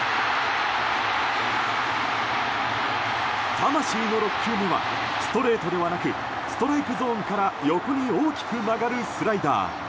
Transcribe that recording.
魂の６球目はストレートではなくストライクゾーンから横に大きく曲がるスライダー。